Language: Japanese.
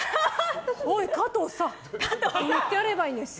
おい、かとうさ！って言ってやればいいんです。